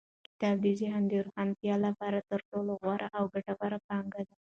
کتاب د ذهن د روښانتیا لپاره تر ټولو غوره او ګټوره پانګه ده.